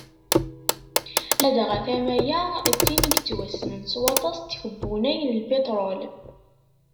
Ladɣa tama-a d tin i yettwassnen s waṭas n tkebbunay n lpitrul.